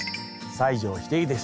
西城秀樹です。